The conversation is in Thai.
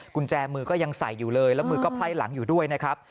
กุญแจมือก็ยังใส่อยู่เลยแล้วมือก็ไพ่หลังอยู่ด้วยนะครับ